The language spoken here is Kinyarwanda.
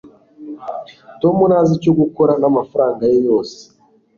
tom ntazi icyo gukora namafaranga ye yose